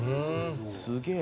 すげえ。